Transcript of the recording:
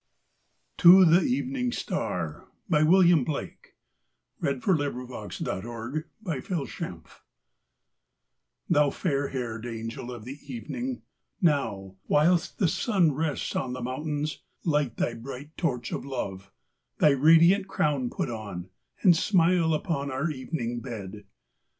TO THE EVENING STAR by: William Blake (1757 1827) HOU fair hair'd angel of the evening, Now, whilst the sun rests on the mountains, light Thy bright torch of love; thy radiant crown Put on, and smile upon our evening bed!